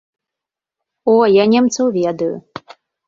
О, я немцаў ведаю.